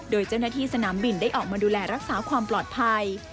โดยเจ้าหน้าที่สนามบินได้ออกมาดูแลรักษาความปลอดภัย